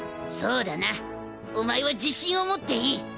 そうだなお前は自信を持っていい。